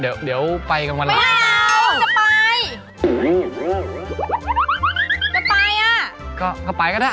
เออเดี๋ยวมาเล่น